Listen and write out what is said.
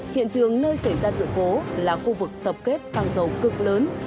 hiện trường nơi xảy ra sự cố là khu vực tập kết xăng dầu cực lớn